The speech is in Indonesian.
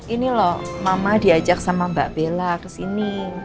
ini loh mama diajak sama mbak bella kesini